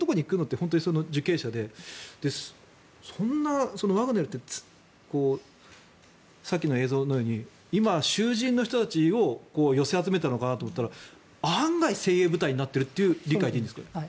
本当に受刑者でそんな、そのワグネルってさっきの映像のように今、囚人の人たちを寄せ集めたのかなと思ったら案外精鋭部隊になっているという理解でいいんですか。